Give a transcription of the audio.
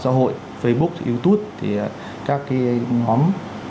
xã hội facebook youtube thì các cái ngón